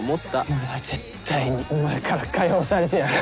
もう絶対にお前から解放されてやる。